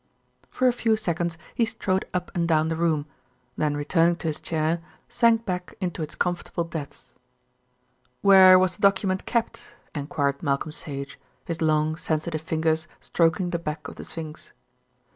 For a few seconds he strode up and down the room, then returning to his chair, sank back into its comfortable depths. "Where was the document kept?" enquired Malcolm Sage, his long, sensitive fingers stroking the back of the sphinx.